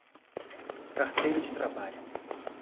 Carteira de trabalho